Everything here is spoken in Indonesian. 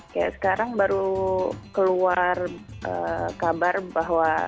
kayak sekarang baru keluar kabar bahwa